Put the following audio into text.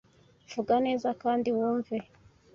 Vuga neza kandi wumve.